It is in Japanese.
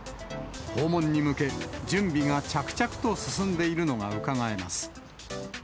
訪問に向け、準備が着々と進んでいるのがうかがえます。